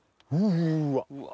うわ！